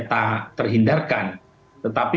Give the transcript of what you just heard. tak terhindarkan tetapi